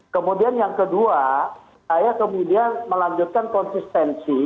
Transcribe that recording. kemudian yang kedua saya kemudian melanjutkan konsistensi